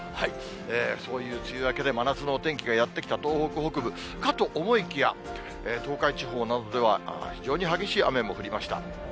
そういう梅雨明けで、真夏のお天気がやって来た東北北部かと思いきや、東海地方などでは、非常に激しい雨も降りました。